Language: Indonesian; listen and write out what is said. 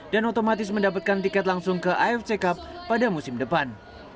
dan otomatis mendapatkan tiket langsung ke afc cup pada musim depan